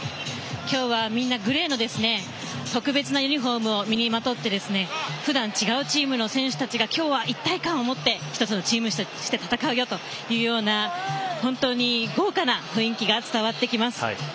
きょうは、グレーの特別なユニフォームを身にまとってふだん違うチームの選手たちがきょうは、一体感を持って１つのチームとして戦うよというような本当に、豪華な雰囲気が伝わってきます。